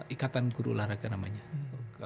ikatan guru olahraga namanya